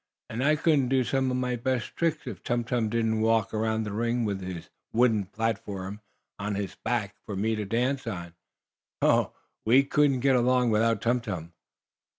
And I couldn't do some of my best tricks if Tum Tum didn't walk around the ring with the wooden platform on his back for me to dance on. Oh, we couldn't get along without Tum Tum!"